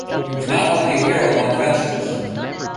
He was not only a hero among fencers.